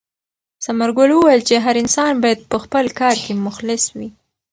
ثمرګل وویل چې هر انسان باید په خپل کار کې مخلص وي.